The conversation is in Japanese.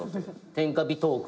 天下ビトーク！